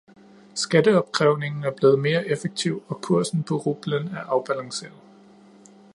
Skatteopkrævningen er blevet mere effektiv, og kursen på rubelen er afbalanceret.